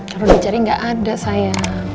kalau udah cari nggak ada sayang